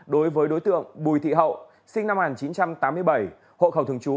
đối với đối tượng bùi thị hậu sinh năm một nghìn chín trăm tám mươi bảy hộ khẩu thường trú